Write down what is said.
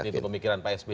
seperti itu pemikiran pak sb